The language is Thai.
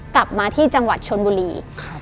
กลับมาที่จังหวัดชนบุรี